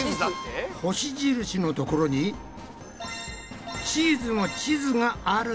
星印のところに「チーズの地図」があるってことか？